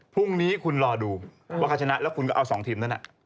พรุ่งนี้คุณรอดูว่าเขาชนะแล้วคุณก็เอา๒ทีมนั้น